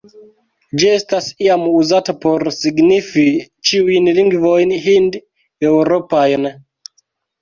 Ĝi estas iam uzata por signifi ĉiujn lingvojn hind-eŭropajn.